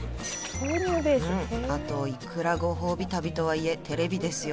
あといくらご褒美旅とはいえテレビですよ